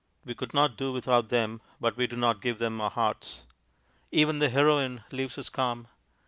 We could not do without them, but we do not give them our hearts. Even the Heroine leaves us calm.